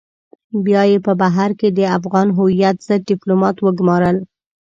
بيا يې په بهر کې د افغان هويت ضد ډيپلومات وگمارل.